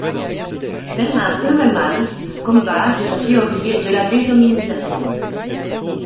Bernard Heuvelmans comme base de sa théorie de la déshominisation.